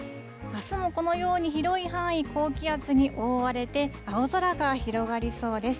あすもこのように広い範囲、高気圧に覆われて、青空が広がりそうです。